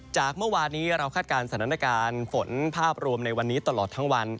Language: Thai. เมื่อวานนี้เราคาดการณ์สถานการณ์ฝนภาพรวมในวันนี้ตลอดทั้งวัน